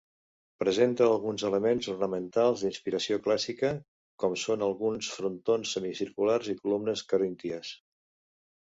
Presenta alguns elements ornamentals d'inspiració clàssica com són alguns frontons semicirculars i columnes corínties.